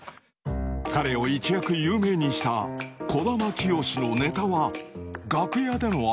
彼を一躍有名にした児玉清のネタは楽屋での遊びから生まれた。